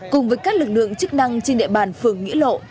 cùng với các lực lượng chức năng trên địa bàn phường nghĩa lộ